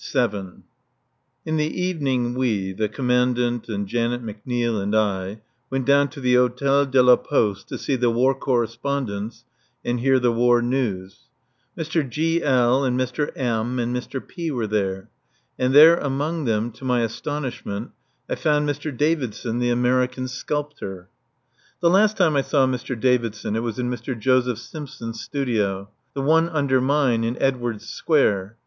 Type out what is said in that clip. In the evening we the Commandant and Janet McNeil and I went down to the Hôtel de la Poste, to see the War Correspondents and hear the War news. Mr. G. L. and Mr. M. and Mr. P. were there. And there among them, to my astonishment, I found Mr. Davidson, the American sculptor. The last time I saw Mr. Davidson it was in Mr. Joseph Simpson's studio, the one under mine in Edwardes Square.